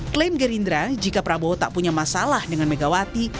klaim gerindra jika prabowo tak punya masalah dengan megawati